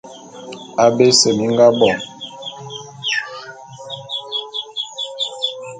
Abé ese mi nga bo.